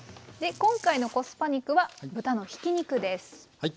今回のコスパ肉は豚のひき肉です。